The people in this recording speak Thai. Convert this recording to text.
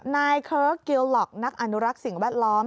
นายเคิร์กกิลล็อกนักอนุรักษณ์สิ่งแวดล้อม